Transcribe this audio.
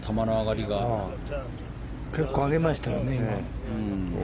結構ありましたよね。